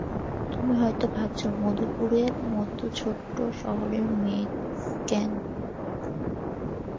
তুমি হয়তো ভাবছো, মধুপুরের মতো ছোট শহরের মেয়ে কেন?